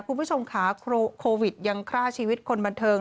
คุณผู้ชมค่ะโควิดยังฆ่าชีวิตคนบันเทิง